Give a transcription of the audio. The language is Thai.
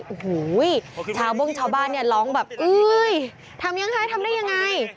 โอ้โหชาวบ้านร้องแบบอุ๊ยทำยังไงทำได้ยังไง